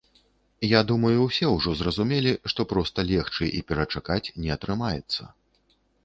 Я думаю, усе ўжо зразумелі, што проста легчы і перачакаць не атрымаецца.